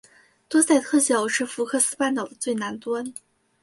多塞特角是福克斯半岛的最南端。